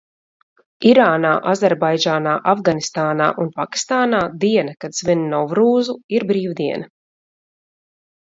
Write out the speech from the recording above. Irānā, Azerbaidžānā, Afganistānā un Pakistānā diena, kad svin Novrūzu, ir brīvdiena.